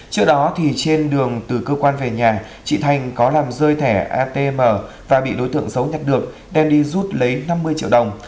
trước đó trên đường từ cơ quan về nhà chị thanh có làm rơi thẻ atm và bị đối tượng xấu nhặt được đem đi rút lấy năm mươi triệu đồng